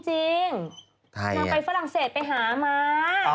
ไทยนะอ๋อนี่มาไปฝรั่งเศสไปหามา